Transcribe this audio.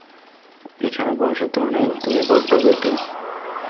এছাড়া বয়সের তুলনায় তুমি বড্ড বেঁটে।